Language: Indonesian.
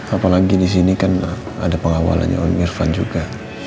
apalagi di sini kan ada pengawalannya om irfan juga